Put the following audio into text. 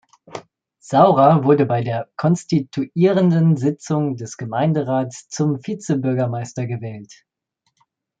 Saurer wurde bei der konstituierenden Sitzung des Gemeinderats zum Vizebürgermeister gewählt.